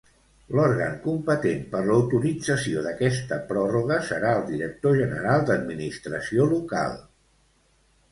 L'òrgan competent per l'autorització d'aquesta pròrroga serà el director general d'Administració Local.